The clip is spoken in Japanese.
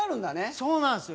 そうなんですよ。